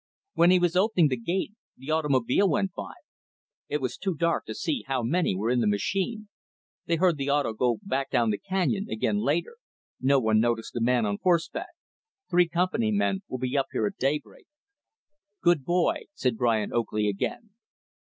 When he was opening the gate, the automobile went by. It was too dark to see how many were in the machine. They heard the 'auto' go down the canyon, again, later. No one noticed the man on horseback. Three Company men will be up here at daybreak." "Good boy," said Brian Oakley, again.